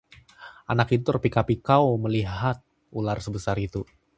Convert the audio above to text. anak itu terpikau-pikau melihat ular sebesar itu